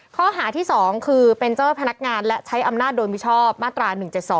ข้อหาที่๒คือเป็นเจ้าพนักงานและใช้อำนาจโดยมิชอบมาตรา๑๗๒